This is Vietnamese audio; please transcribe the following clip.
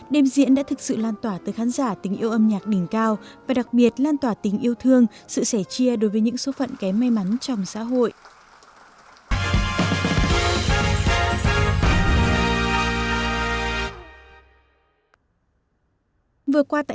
đêm diễn đã thực sự lan tỏa tới khán giả tình yêu âm nhạc đỉnh cao và đặc biệt lan tỏa tình yêu thương sự sẻ chia đối với những số phận kém may mắn trong xã hội